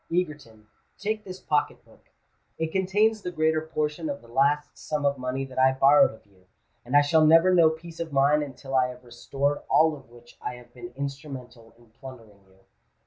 Egerton, take this pocket book: it contains the greater portion of the last sum of money that I borrowed of you; and I shall never know peace of mind, until I have restored all of which I have been instrumental in plundering you."